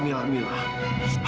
minah minah minah